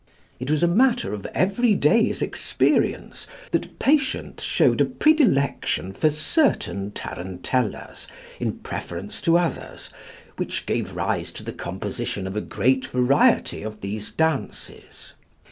It was a matter of every day's experience, that patients showed a predilection for certain tarantellas, in preference to others, which gave rise to the composition of a great variety of these dances.